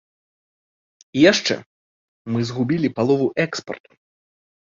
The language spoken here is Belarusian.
І яшчэ, мы згубілі палову экспарту.